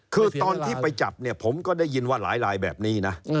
คือตอนที่ไปจับเนี่ยผมก็ได้ยินว่าหลายลายแบบนี้นะ